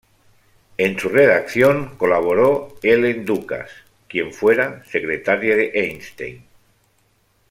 En su redacción colaboró Helen Dukas, quien fuera secretaria de Einstein.